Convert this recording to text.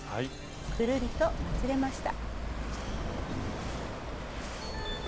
ぐるりとまつれました。